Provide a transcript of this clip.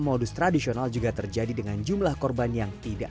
belaert says kejahatan pericaitan overdose in those magnificent grains in remake